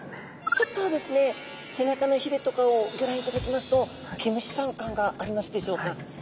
ちょっとですね背中のひれとかをギョ覧いただきますと毛虫さん感がありますでしょうか。